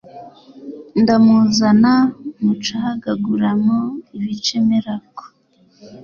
ndamuzana mucagaguramo ibice mperako